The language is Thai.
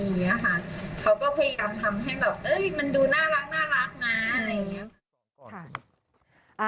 เขาก็พยายามทำให้แบบเอ้ยมันดูน่ารักนะอะไรอย่างเงี้ย